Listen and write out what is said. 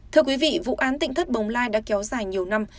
thưa quý vị vụ án tỉnh thất bồng lai đã kéo dài nhiều năm